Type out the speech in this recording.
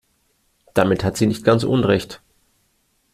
Damit hat sie nicht ganz Unrecht.